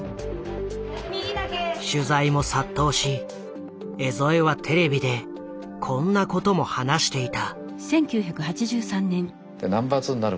取材も殺到し江副はテレビでこんなことも話していた。